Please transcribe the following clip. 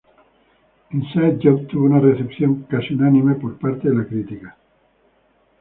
Inside Job tuvo una recepción casi unánime por parte de la crítica.